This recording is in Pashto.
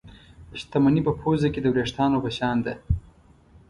شتمني په پوزه کې د وېښتانو په شان ده.